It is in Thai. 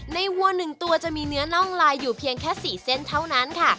วัว๑ตัวจะมีเนื้อน่องลายอยู่เพียงแค่๔เส้นเท่านั้นค่ะ